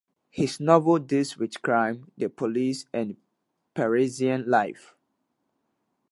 His novels deal with crime, the police, and Parisian life.